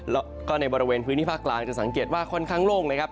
แล้วก็ในบริเวณพื้นที่ภาคกลางจะสังเกตว่าค่อนข้างโล่งนะครับ